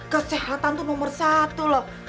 kesehatan itu nomor satu loh